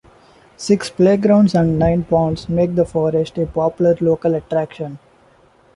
Six playgrounds and nine ponds make the forest a popular local attraction.